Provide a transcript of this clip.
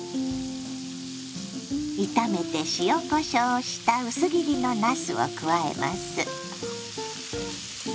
炒めて塩こしょうをした薄切りのなすを加えます。